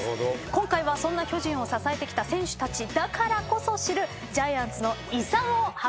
今回はそんな巨人を支えてきた選手たちだからこそ知るジャイアンツの遺産を発掘してまいります。